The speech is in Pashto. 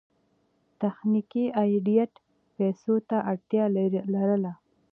تخنیکي ایډېټ پیسو ته اړتیا لرله.